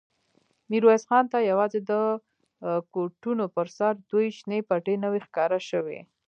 ميرويس خان ته يواځې د کوټونو پر سر دوې شنې پټې نوې ښکاره شوې.